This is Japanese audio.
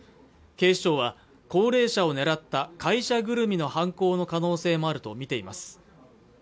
警視庁は高齢者を狙った会社ぐるみの犯行の可能性もあると見ています